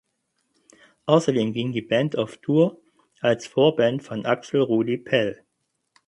Außerdem ging die Band auf Tour als Vorband von Axel Rudi Pell.